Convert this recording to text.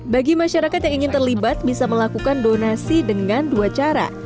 bagi masyarakat yang ingin terlibat bisa melakukan donasi dengan dua cara